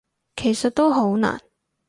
其實都好難